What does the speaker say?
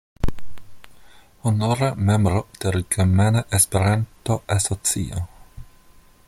Honora membro de Germana Esperanto-Asocio.